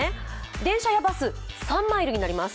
電車やバス、３マイルになります。